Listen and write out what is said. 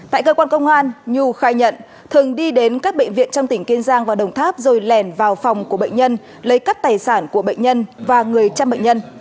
tại cơ quan công an nhu khai nhận thường đi đến các bệnh viện trong tỉnh kiên giang và đồng tháp rồi lèn vào phòng của bệnh nhân lấy cắp tài sản của bệnh nhân và người chăm bệnh nhân